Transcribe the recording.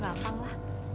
gak gampang lah